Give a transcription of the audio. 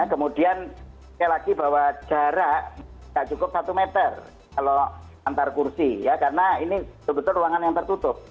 kemudian sekali lagi bahwa jarak tidak cukup satu meter kalau antar kursi ya karena ini betul betul ruangan yang tertutup